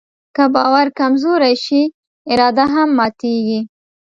که باور کمزوری شي، اراده هم ماتيږي.